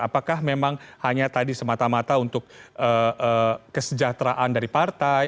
apakah memang hanya tadi semata mata untuk kesejahteraan dari partai